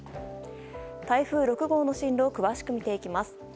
台風６号の進路を詳しく見ていきます。